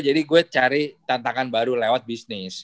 jadi gue cari tantangan baru lewat bisnis